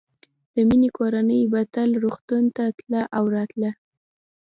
د مينې کورنۍ به تل روغتون ته تله او راتله